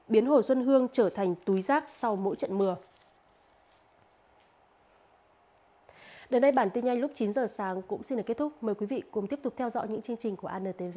biến hồ xuân hương trở thành túi rác sau mỗi trận mưa